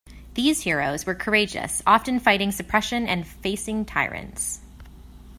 These heroes were courageous, often fighting suppression and facing tyrants.